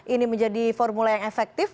ini menjadi formula yang efektif